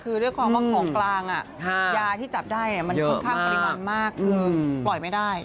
คือด้วยความว่าของกลางยาที่จับได้มันค่อนข้างปริมาณมากคือปล่อยไม่ได้